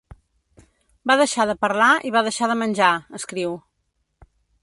Va deixar de parlar i va deixar de menjar, escriu.